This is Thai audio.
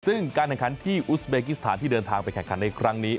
ซึ่งการแข่งขันที่อุสเบกิสถานที่เดินทางไปแข่งขันในครั้งนี้